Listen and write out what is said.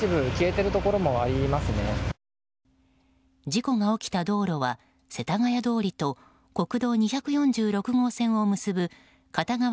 事故が起きた道路は世田谷通りと国道２４６号線を結ぶ片側